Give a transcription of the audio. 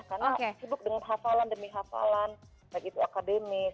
karena sibuk dengan hafalan demi hafalan baik itu akademis